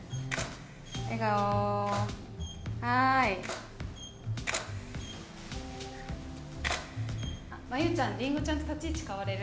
笑顔はーい真由ちゃんりんごちゃんと立ち位置変われる？